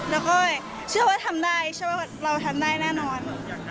แล้วก็เชื่อว่าทำได้เราทำได้แน่นอน